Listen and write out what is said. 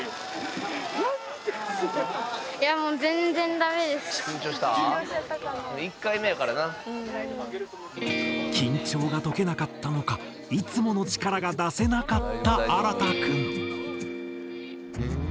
再びここで緊張が解けなかったのかいつもの力が出せなかった新くん。